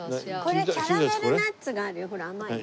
これキャラメルナッツがあるよほら甘いの。